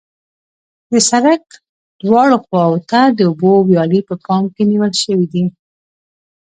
د سرک دواړو خواو ته د اوبو ویالې په پام کې نیول شوې دي